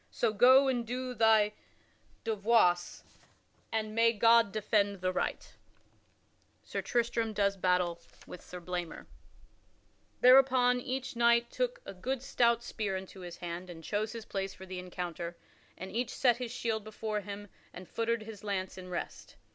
So go and do thy devoirs, and may God defend the right." [Sidenote: Sir Tristram does battle with Sir Blamor] Thereupon each knight took a good stout spear into his hand and chose his place for the encounter, and each set his shield before him and feutered his lance in rest.